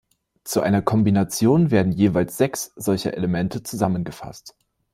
Zu einer Kombination werden jeweils sechs solcher Elemente zusammengefasst.